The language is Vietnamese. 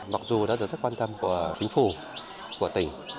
mặc dù đã được rất quan tâm của chính phủ của tỉnh